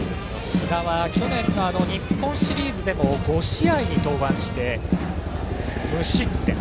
比嘉は去年、日本シリーズでも５試合に登板して無失点。